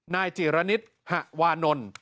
นายจิรณิตหะวานนท์